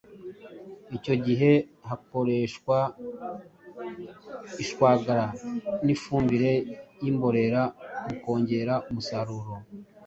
Icyo gihe hakoreshwa ishwagara n’ ifumbire y’imborera mu kongera umusaruro.